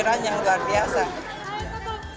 hanya salah satu